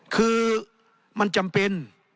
คือมันจำเป็น